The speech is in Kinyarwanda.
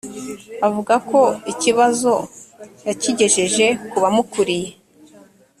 avuga ko ikibazo yakigejeje kubamukuriye.